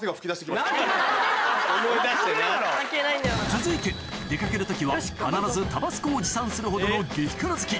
続いて出かける時は必ずタバスコを持参するほどの激辛好き